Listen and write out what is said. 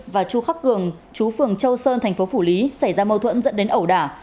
và chu khắc cường chú phường châu sơn thành phố phủ lý xảy ra mâu thuẫn dẫn đến ẩu đả